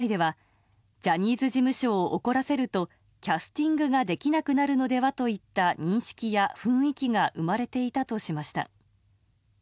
関係については２０年以上前から日本テレビ社内ではジャニーズ事務所を怒らせるとキャスティングができなくなるのではといった認識や雰囲気が生まれていたとしました。